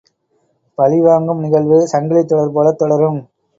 பழிவாங்கும் நிகழ்வு சங்கிலித்தொடர் போலத் தொடரும்.